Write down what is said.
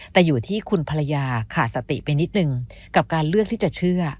แต่อยู่ที่คุณภรรยาขาดสติไปนิดนึงกับการเลือกที่จะเชื่อ